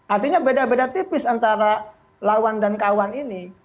artinya beda beda tipis antara lawan dan kawan ini